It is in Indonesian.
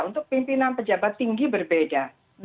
untuk pimpinan pejabat tinggi berbeda